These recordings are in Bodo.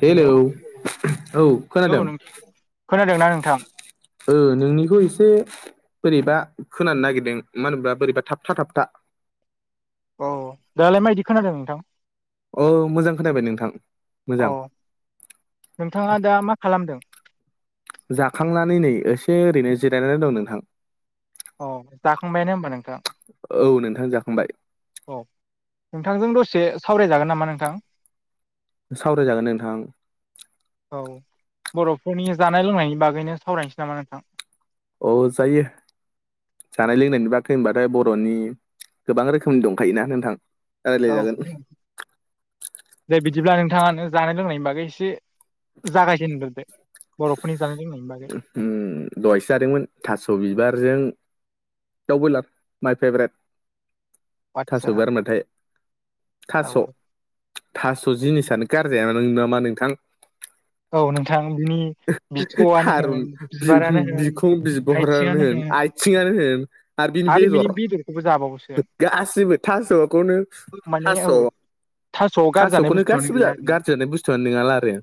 हेलौ औ औ खोनादों? नोंथां खोनादोंना नोंथां औ नोंनिखौ एसे बोरैबा खोनानो नागिरदों मा होनोब्ला बोरैबा थाबथा थाबथा। औ दालाय मायदि खोनादों नोंथां? औ मोजां खोनबाय नोंथां औ मोजां। नोंथाङा दा मा खालामदों? जाखांनानै नै एसे ओरैनो जिरायनानै दं नोंथां। अ जाखांबायानो होमबा नोंथां। औ नोंथां जाखांबाय। औ नोंथांजों दसे सावरायजागोन नामा नोंथां? सावरायजागोन नोंथां औ बर'फोरनि जानाय लोंनायनि बागैनो सावरायनोसै नामा नोंथां अ जायो जानाय लोंनायनि बा गै होनबाथाय बर'नि गोबां रोखोमनि दंखायोना नोंथां औ रायलायजागोन [unintelligible] दे बिदिब्ला नोंथाङानो जानाय लोंनायनि बागै एसे जागाय जेनग्रोदो बर'फोरनि जानाय लोंनाय बागै ओम दहायसो जादोंमोन थास' बिबारजों दाव बइलार माइ फेभरेट थास' आदसा बिबार होनबाथाय औ थास' थास' जिनिसानो गारजायामोन नामा नोंथां औ नोंथां बिनि बिथौआनो थारुन होन बिबारानो बिखुं होन बिखुं बिगुरानो होन आइथिंआनो होन आरो बिनि बेदर गासिबो थास'खौनो माने थास' औ थास'आव गारजानाय थास'खौनो बुस्थुआनो गासिबो गैया आरो गारजानाय बुस्थुआनो नोङाला आरो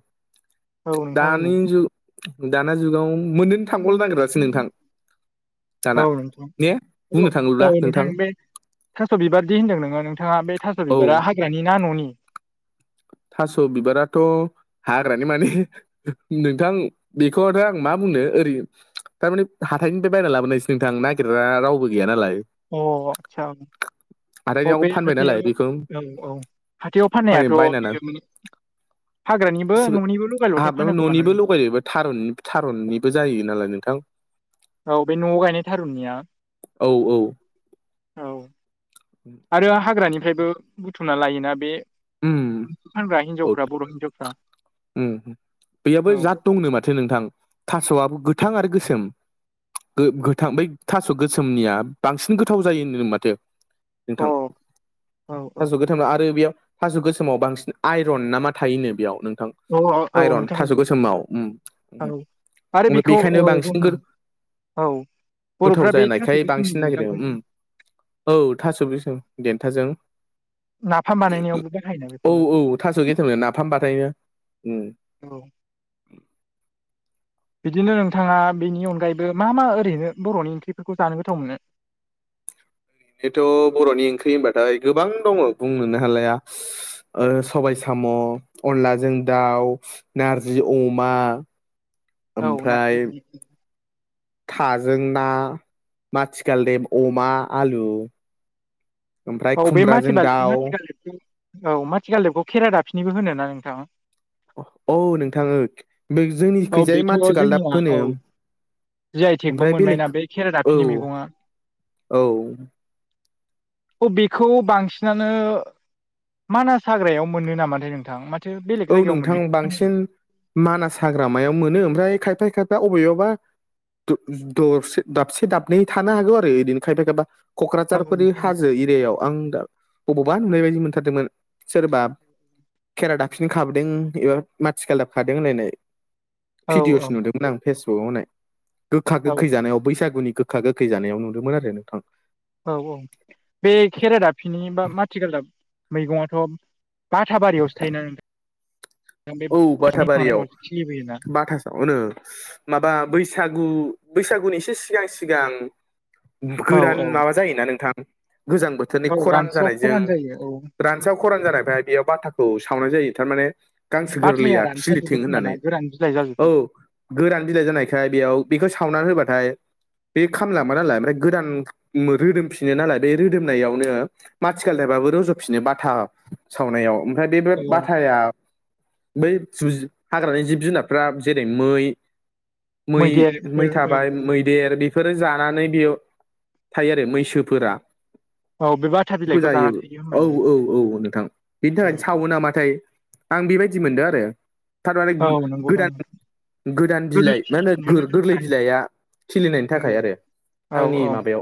औ औ [unintelligible] दाना जुगाव मोननो नो थांबावनो नागेरासो नोंथां दाना औ नोंथां ने बुंनो औ थाङोब्ला नोंथां बे थास' बिबारदि होनदों नोङो नोंथाङा बे थास' औ बिबारा हाग्रानि ना न'नि थास' बिबाराथ' हाग्रानि माने नोंथां बेखौ आरो आं मा बुंनो ओरै थारमाने हाथाइनिफ्राय बायना लाबोनायसो नोंथां नागिरग्रा रावबो गैया नालाय अ आदसा औ हाथाइनियाव बे फानबाय नालाय हाथायाव बेखौ औ औ हाथायाव फान फाननायाथ' बायनानै [unintelligible] हाग्रानिबो न'निबो लगाय लथाय फानो खोमादां बेबो थारुननि थारुननिबो जायो नालाय नोंथां औ बे न'आव गायनाय थारुननिया औ औ औ आरो हाग्रानिफ्रायबो बुथुमना लायोना बे उम फानग्रा हिनजावफ्रा बर' हिनजावफ्रा [unintelligible] बैयाबो औ जत दंनो माथो नोंथां थास'आबो गोथां आरो गोसोम गो गोथां बै थास' गोसोमनिया बांसिन गोथाव जायो होनो माथो औ नोंथां औ थास' गोथां आरो बेयाव थास' गोसोमाव बांसिन आइरन ना मा थायोनो बेयाव नोंथां औ औ आइरन नोंथां थास' गोसोमाव औ आरो बेखौ औ बेखायनो जों बांसिन गो औ गोथाव बर'फ्रा बे थास' जानायखाय गोसोमनि बांसिन नागिरो देन्थाखौनो ओम औ थास' बिसं देन्थाजों नाफाम बानायनायावबो बाहायो औ औ थास' [unintelligible] नाफाम बानायो औ बिदिनो नोंथाङा बिनि अनगायैबो मा मा ओरैनो बर'नि ओंख्रिफोरखौ जानो गोथाव मोनो जेथ' बर'नि ओंख्रि होनबाथाय गोबां दङ बुंनोनो हालाया सबाइ साम' अनलाजों दाउ नारजि अमा औ ओमफ्राय नारजि [unintelligible] थाजों ना माथिगालदेब अमा आलु ओमफ्राय औ बे खुमब्राजों माथि बालदेब दाउ माथि गालदेबनि औ माथि गालदेबखौ खेरा दाफिनिबो होनो ना नोंथां औ नोंथां ओ औ जोंनिखैजाय बेथ' माथि गालदाफ जोंनिया होनो औ जि आइ टेकबो ओमफ्राय मोनबायना बेलेक बे खेरा औ दाफिनि मैगङा औ औ बेखौ बांसिनानो मानास हाग्रायाव मोनो नामाथाय नोंथां मा थो बेलेग औ जायगायाव नोंथां मोननायखौ खोनाया बांसिन मानास हाग्रामायाव मोनो ओमफ्राय खायफा खायफाया अबेयावबा दर दरसे दाबसे दाबनै थानो हागौ आरो इदिनो खायफा खायफा औ क'क्राझारफोरनि नोंथां हाजो। एरियायाव आं दा अबावबा नुनाय बायदि मोनथारदोंमोन सोरबा केेरा दाफि फिन खाबोदों एबा माथि गालदाब खादों होनलायनाय औ भिडिअ'सो नुदोंमोन आं फेसबुकाव होनाय गोखा औ गोखै जानायाव बैसागुनि गोखा गोखै जानायाव नुदोंमोन आरो नोंथां औ औ बे खेरा दाफिनि बा माथिगालदाब मैगं थायगं बाथाबारियावसो थायोना ना नोंथां बे औ [unintelligible] उनावसो खिलिबोयोना नो माबा बैसागु बैसागुनि एसे सिगां सिगां औ गोरान औ माबा जायोना नोंथां गोजां बोथोरनि औ खरान रानस्राव जानायजों खरान जायो औ रानस्राव खरान जानायफ्रा बेयाव बाथाखौ सावनाय जायो थारमाने गांसो बाथाया गोरलैया रानखाजोबो खिलिथों खोमाना होननानै गोरान बिलाइ औ जाजोबो गोरान बिलाइ जानायखाय बेयाव बेखौ सावनानै होबाथाय बे खामलांबाय नालाय ओमफ्राय गोदान रोदोमफिनो नालाय बे रोदोमनायावनो माथिगाल दाबाबो रुज'फिनो बाथा सावनायाव ओमफ्राय बे औ बाथाया बै हाग्रानि जिब जुनारफ्रा जेरै मै मै मै मैदेरफोर औ थाबाय औ मै देर बेफोरो जानानै बेयाव थायो आरो मैसोफोरा औ बे बाथा बेखौ बिलाइखौ जाना जायो थायो औ होमबाना औ नोंथां। औ नोंथां बेनि थाखायनो सावो नामाथाय आं बेबायदि मोनदों आरो थारमाने औ नंगौदां गोदान नोंथां गोदान गोरलै बिलाइ मा होनो खिलिफिनहोनो गोरलै थाखाय बिलाइआ खिलिनायनि होयो। थाखाय आरो औ आंनि माबायाव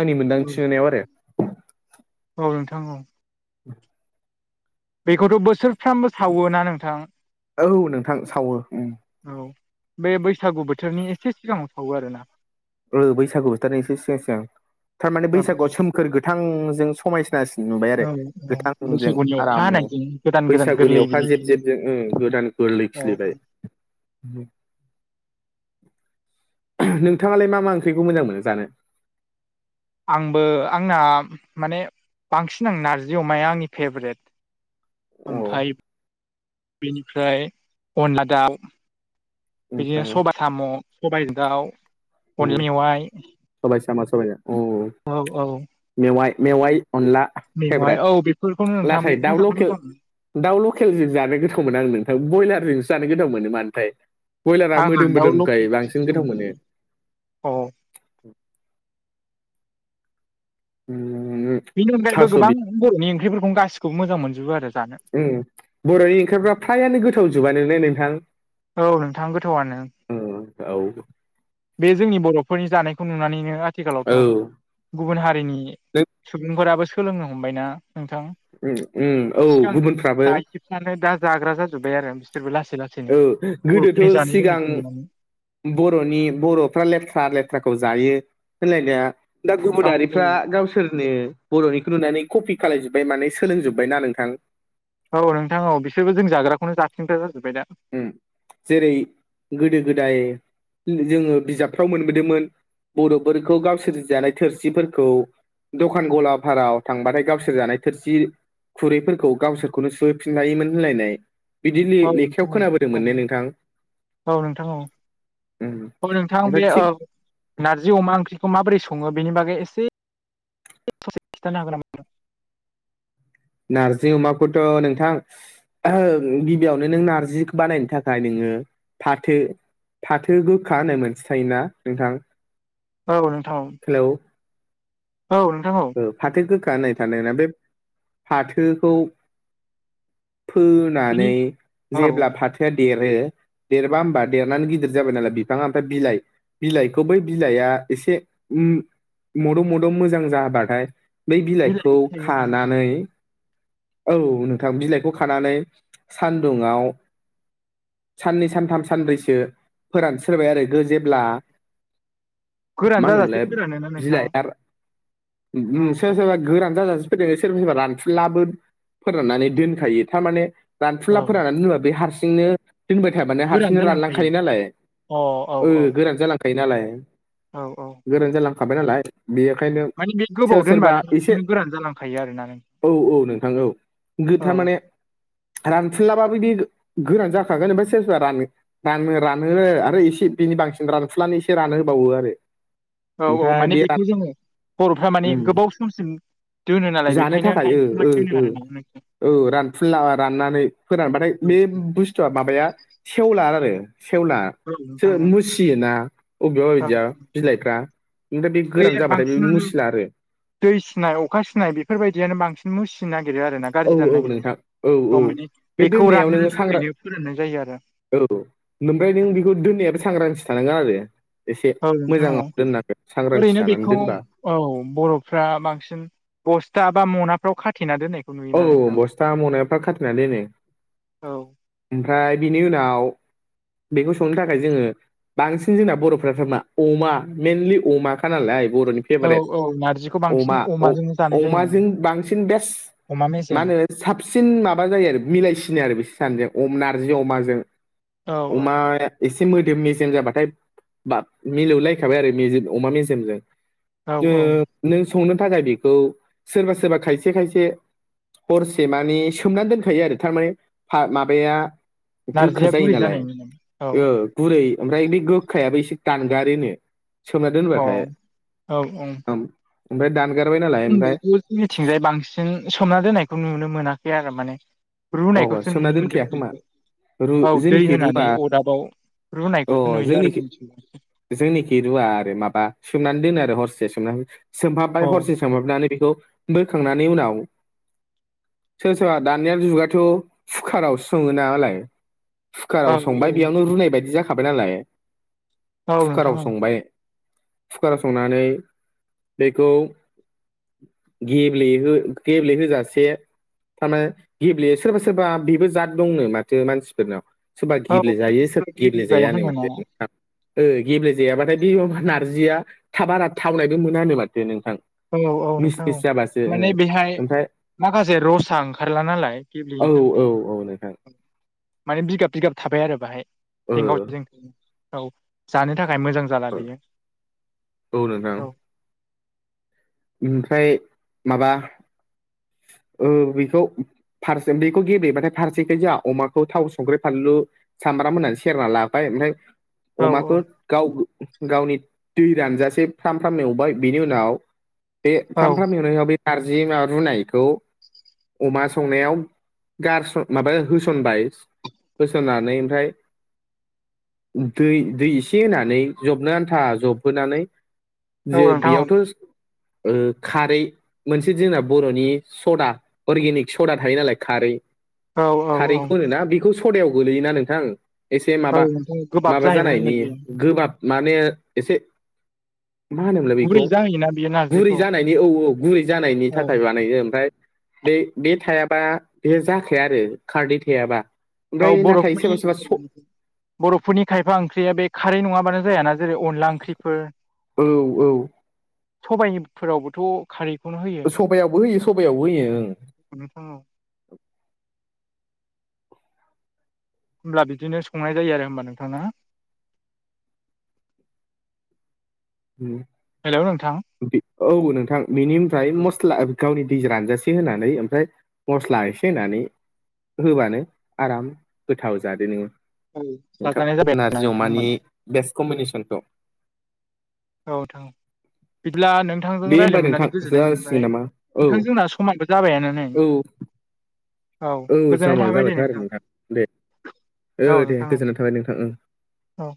आंनि औ मोनदांथि नुनायाव आरो औ नोंथां औ [inaudible] बेखौथ' बोसोरफ्रामबो सावोना नोंथां औ नोंथां सावो औ बे बैसागु बोथोरनि एसे सिगांङाव सावो आरो ना ओ बैसागु बोथोरनि एसे सिगां सिगां थारमाने औ बैसागुआव सोमखोर गोथांजों समायनासिन नुबाय आरो औ औ गोथांजों बैसागुनि अखा आरामनो हानायजों गोदान गोदान बैसागुनि गोरलै अखा बिलाइ जेब खिलियो जेबजों गोदान ओम गोरलै औ औ खिलिबाय नों नोंथांङालाय मा मा ओंख्रिखौ मोजां मोनो जानो आंबो आंना माने बांसिन आं नारजि अमाया आंनि फेभरेट अ ओमफ्राय बेनिफ्राय अनला दाउ बिदिनो ओमफ्राय सबाइ साम' सबायजों दाउ औ अनला मेवाइ सबाय साम सबायजों औ मेवाइ मेवाइ अनला मेवाय फेभरेट औ बेफोरखौनो नोंथां नाथाय दाउ बेफोरखौनो जानो लकेल मोजां मोनो दाउ लकेलजों जानो गोथाव मोना आं नोंथां बयलारजोंसो जानो गोथाव मोनो मानोथाय ब्रयलारा आंहा मोदोम दाउ मोदोमखाय लकेलसो बांसिन मोजां गोथाव मोनो औ [inaudible] [inaudible] बेनि अनगायैबो थास' गोबां बि बर'नि ओंख्रिफोरखौ गासिखौबो मोजां मोनजोबो आरो जानो बर'नि ओंख्रिफोरा फ्रायानो गोथाव जोबानो ने नोंथां औ नोंथां गोथावआनो अ औ बे जोंनि बर'फोरनि जानायखौ नुनानैनो आथिखालावथ' औ गुबुन हारिनि नों सुबुंफोराबो सोलोंनो हमबायना नोंथां औ गुबुनफ्राबो नै दा जाग्रा जाजोब्बाय आरो बिसोरबो लासै लासैनो औ गोदोथ' बर'फोरनि जानाय सिगां लोंनायखौ नुनानै बर'नि बर'फ्रा लेथ्रा लेथ्राखौ जायो होनलायनाया दा औ गुबुनारिफ्रा गावसोरनो बर'निखौ नुनानै कपि खालायजोब्बाय माने सोलोंजोब्बायना नोंथां औ नोंथां औ बिसोरबो जों जाग्राखौनो जाफिनग्रा जाजोब्बाय दा जेरै गोदो गोदाय जोङो बिजाबफ्राव मोनबोदोंमोन बर'फोरखौ गावसोर जानाय थोरसिफोरखौ दखान गला फोराव थांबाथाय गावसोर जानाय थोरसि खुरैफोरखौ गावसोरखौनो सुहोफिनलायोमोन होनलायनाय बिदि औ औ लेखायाव नोंथां खोनाबोदोंमोननो नोंथां औ नोंथां औ उम औ नोंथां बे ओमफ्राय औ थिग नारजि अमा ओंख्रिखौ माबोरै सङो बेनि बागै एसे बेनि प्र'सेसखौ खोनथानो हागोन नामा नोंथां? नार्जि अमाखौथ' नोंथां गिबियावनो नों नारजि बानायनो थाखाय नोङो फाथो फाथो गोखा होननाय मोनसे थायोना नोंथां औ नोंथां औ हेलौ औ नोंथां औ ओ फाथो गोखा होनाय थानाया बे फाथोखौ बिनि फोनानै औ जेब्ला फाथो बिफाया देरो देरबा होमबा देरनानै गिदिर जाबाय नालाय बिफाङा ओमफ्राय बिलाइ बिलाइखौ बै बिलाइआ एसे मद' मद' मोजां जाबाथाय बै बिलाइखौ बिलाइबो थायोना नोंथां खानानै औ नोंथां बिलाइखौ खानानै सानदुंयाव साननै सानथाम सानब्रैसो फोरानस्रोबाय आरो जेब्ला गोरान मा जाजासे होनोमोनलाय फोरानोना नोंथां बिलाइ औ सोरबा औ सोरबा गोरान जाजासे फोरजोंनो सोरबा सोरबा रानफुलाबो फोराननानै दोनखायो थारमाने रानफुनला औ फोरनानै दोनोबा बे हारसिंनो दोंबाय थाया माने गोरान हारसिंनो जालांखायो रानलांखायो नालाय अ औ ओ औ गोरान जालांखायो नालाय औ औ गोरान जालांखाबाय नालाय बेखायनो माने बे सोरबा गोबाव सोरबा दोनबानो एसे हारसिंनो गोरान जालांखायो आरोना नों औ औ नोंथां औ गो औ थारमाने रानफुनलाबाबो बिदि गोरान जाखागोन ओमफ्राय सोरबा सोरबा रानो रानो रानो आरो एसे बिनि बांसिन रानफुनलानि एसे रानो होबावो आरो औ औ ओमफ्राय माने बे बेखौ जोङो बर'फ्रा माने उम गोबाव समसिम दोनो नालाय जानो बेखायनो थाखाय ओ ओ लानसनानै दोनो आरो ना नोंथां औ रानफुला राननानै फोरानबाथाय बे बुस थु माबाया सेवला आरो सेवला औ नोंथां सोर औ मुसियोना अबेबा औ बादियाव बिलाइफ्रा ओमफाय बे गोरान जाबाथाय बे मुसि ला आरो दै सिनाय अखा सिनाय बेफोरबायदियानो बांसिन मुसि नो नागिरो आरो ना औ गाज्रि औ जानो नागिरो नोंथां औ माने बे बेखौ दोननायाव नोङो रानहोनो सांग्रां थाखायनो फोराननाय जायो आरो औ ओमफ्राय नों बेखौ दोननायाबो सांग्रांथि थानांगोन आरो एसे औ नोंथां औ मोजाङाव दोननांगोन सांग्रांथि ओरैनो जानानै बेखौ दोनबा औ बर'फ्रा बांसिन बसथा बा मनाफ्राव खाथेना दोननाय औ बसथा मनाफ्राव खाथेनानै दोनो औ ओमफ्राय बिनि उनाव बेखौ संनो थाखाय जोङो बांसिन जोंना बर'फ्राथार मा अमा मइेनलि अमाखा नालाय आरो बर'नि औ फेभरेट औ नारजिखौ बांसिन अमा अमाजोंनो जानाय जायो अमाजों बांसिन बेस्ट अमा मा मेजेम होनो साबसिन माबा जायो आरो मिलायसिनो आरो बिसोर सानैजों अम नारजिजों अमाजों औ औ अमा एसे मोदोम मेजेम जाबाथाय बाब मिलौलायखाबाय आरो मेजेम अमा मेजेमजों औ ओ औ नों संनो थाखाय बेखौ सोरबा सोरबा खायसे खायसे हरसे मानि सोमना दोनखायो आरो थारमाने फा माबाया गोखा नारजिया जायो गुरै नालाय जानायनि नामा? अ ओ गुरै ओमफ्राय बे गोखायाबो एसे दानगारोनो सोमना औ दोनबाथाय औ ओम ओमफ्राय दानगारबाय नालाय जों ओमफ्राय बेखौ जोंनिथिंजाय बांसिन सोमना दोननायखौ नुनो मोनाखै आरो माने ओमफ्राय अ रुनायखौसो सोमना नुनो मोनदों दोनखाया आं खोमा बेखौ रु औ दै जोंनिखि रुवा होनानै अदाबाव अ रुनायखौसो नुयो आरो जोंनिखि जोंनिथिं जोंनिखि रुवा आरो माबा सोमनानै दोनो आरो हरसे सोमनानै सोमहाबबाय औ हरसे सोमहाबनानै बेखौ बोखांनानै उनाव सोर सोरबा दानिया जुगा थ' कुकार आवसो सङो नालाय औ कुकाराव संबाय बेयावनो रुनाय बायदि जाखाबाय नालाय औ नोंथां कुकाराव औ संबाय कुकाराव संनानै बेखौ गेब्लेहो गेब्लेहोजासे थार माने गेब्ले सोरबा सोरबा बेबो जाद दंनो माथो मानसिफोरनाव सोरबा औ सोरबा गेब्लेजायो सोर सोरबा गेब्लेजाया गेब्लेजायानो होनो ना माथो नोंथां ओ गेब्लेजायाबाथाय बे नारजिया थाबा थावनायबो मोना होनो माथो नोंथां औ औ मिस नोंथां औ मिस जाबासो माने बेहाय माखासे रसा ओंखारला नालाय गेब्लेयैनि ओ ओमफ्राय औ थाखाय औ औ नोंथां माने बिगाब बिगाब थाबाय आरो बाहाय ओ जेंगाव जें औ जानो थाखाय मोजां जाला ओ बेयो औ ओमफ्राय माबा ओ बेखौ फारसे बेखौ गेब्लेबाथाय फारसेखाय जोंहा अमाखौ थाव, संख्रि, फानलु सामब्राम होनानै सेरना लाबाय ओमफ्राय औ अमाखौ गाव गावनि दै रानजासे फ्राम फ्राम एवबाय बिनि उनाव बे औ फ्राम फ्राम एवनायाव बे नारजि माबा रुनायखौ अमा संनायाव गारसन माबा होसनबाय होसननानै ओमफ्राय दै दै एसे होनानै जबनो आन्था जबहोनानै औ जे नोंथां औ बेयावथ' ओ खारै मोनसे जोंना बर'नि सदा अर्गेनिक सदा थायो नालाय खारै औ औ खारैखौ होनोना बेखौ सदायाव गोलैयोना नोंथां एसे औ माबा नोंथां गोबाब माबा जाहैबाय नालाय जानायनि बेयो गोबाब माने एसे मा होनोमोनलाय गुरै बेखौ जाहैयोना बेयो ना गुरै जानायनि औ औ गुरै जानायनि थाखाय बानायो ओमफ्राय बे बे थायाबा बे जाखाया आरो खारदै थायाबा औ ओमफ्राय नाथाय बर'फोरनि सोरबा सोरबा स बर'फोरनि खायफा ओंख्रिया बे खारै नङाबानो जायाना जेरै अनला ओंख्रिफोर औ औ सबाइफोरावबोथ' खारै सबायावबो होयो सबायावबो होयो ओं [unintelligible] होमब्ला बिदिनो संनाय जायो आरो होमबा नोंथां ना उम हेलौ नोंथां औ नोंथां बेनिफ्राय औ मस्ला गावनि दै रानजासे होनानै ओमफ्राय मस्ला एसे होनानै होबानो आराम गोथाव जादो नोङो औ नोंथां जाजानाय जाबाय आरो ना नारजि नोंथां होमबा अमानि ना? बेस्ट कम्बिनेसनखौ औ नोंथां औ बिदिब्ला नों थांजों दे होमबा रायज्लाय नोंथां मोननानै गोजोन्नाय जासिगोन मोनबाय नामा औ नोंथांजोंना समानथ जाबायानो नै औ औ गोजोननाय समा थाबाय दे जाबायथ' आरो नोंथां दे औ दे नोंथां गोजोननाय थाबाय नोंथां ओं औ